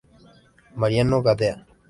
Mariano Gadea"".